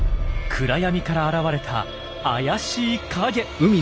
暗闇から現れた怪しい影！